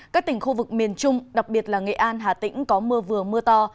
các tỉnh khu vực miền trung đặc biệt là nghệ an hà tĩnh có mưa vừa mưa to